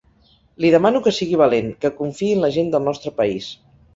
Li demano que sigui valent, que confiï en la gent del nostre país.